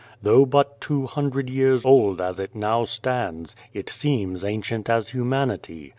Though but two hundred years old as it now stands, it seems ancient as humanity.